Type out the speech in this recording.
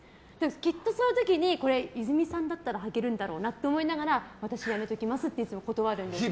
きっと、そういう時に泉さんだったらはけるんだろうなって思いながら私、やめておきますって断るんですけど。